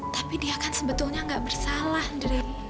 tapi dia kan sebetulnya gak bersalah andri